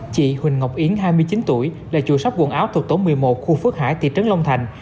chị huỳnh ngọc yến hai mươi chín tuổi là chùa sóc quần áo thuộc tổng một mươi một khu phước hải tỉ trấn long thành